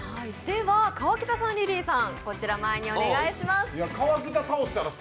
川北さん、リリーさん、前にお願いします。